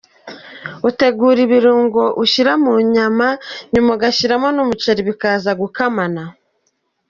Utegura ibirungo ushyira mu nyama nyuma ugashyiramo n’umuceri bikaza gukamana”.